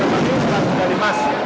berikan kepada mas dari mas